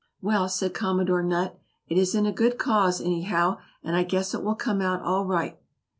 "Well," said Commodore Nutt, "it is in a good cause, anyhow, and I guess it will come out all right."